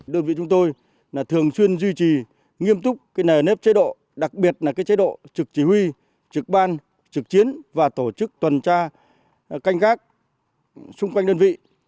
đơn vị chúng tôi thường xuyên duy trì nghiêm túc nề nếp chế độ đặc biệt là chế độ trực chỉ huy trực ban trực chiến và tổ chức tuần tra canh gác xung quanh đơn vị